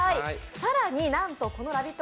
更になんとこのラヴィット！